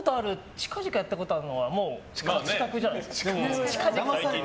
近々やったことあるはもう勝ち確じゃないですか？